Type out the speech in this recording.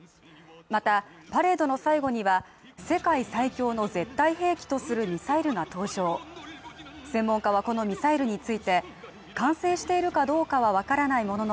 またパレードの最後には世界最強の絶対兵器とするミサイルが登場専門家はこのミサイルについて完成しているかどうかは分からないものの